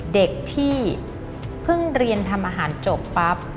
เด็กที่เพิ่งเรียนทำอาหารจบปั๊บ